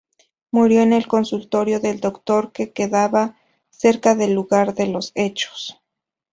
Murió en el consultorio del doctor que quedaba cerca del lugar de los hechos.